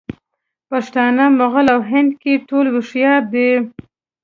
پښتانه، مغل او هندکي ټول هوښیار دي.